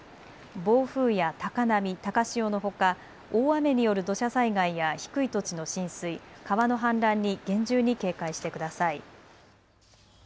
暴風や高波、高潮のほか大雨による土砂災害や低い土地の浸水、川の氾濫に厳重に警戒してください。